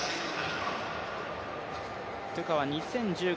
トゥカは２０１５